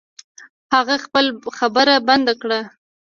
هغه خپله خبره بند کړه.